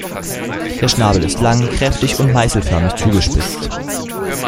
Der Schnabel ist lang, kräftig und meißelförmig zugespitzt.